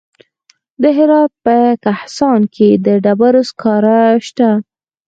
د هرات په کهسان کې د ډبرو سکاره شته.